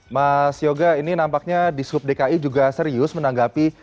mas yoga ini nampaknya di sub dki juga serius menanggapi